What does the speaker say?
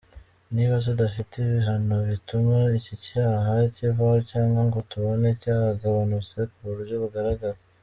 Niba tudafite ibihano bituma iki cyaha kivaho cyangwa ngo tubone cyagabanutse ku buryo bugaragara .